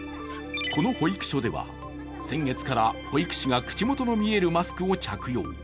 この保育所では先月から保育士が口の見えるマスクを着用。